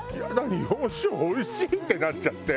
日本酒おいしいってなっちゃって。